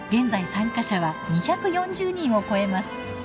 参加者は２４０人を超えます。